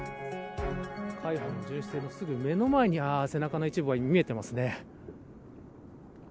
海保の巡視艇のすぐ目の前に背中の一部が見えていますね。